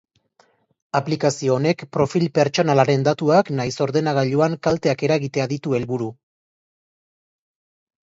Aplikazio honek profil pertsonalaren datuak nahiz ordenagailuan kalteak eragitea ditu helburu.